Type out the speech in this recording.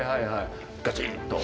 ガチッと。